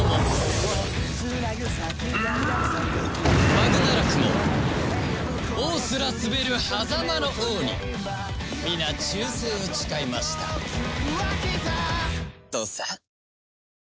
バグナラクも王すら統べるはざまの王に皆忠誠を誓いましたとさ。